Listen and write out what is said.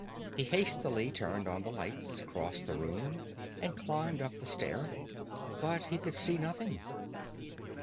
He hastily turned on the lights, crossed the room, and climbed up the stair. But he could see nothing.